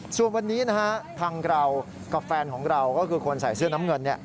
ส่วนวันนี้นะฮะทางเรากับแฟนของเราก็คือคนใส่เสื้อน้ำเงิน